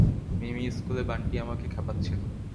মিমি, স্কুলে বান্টি আমাকে খেপাচ্ছিলো।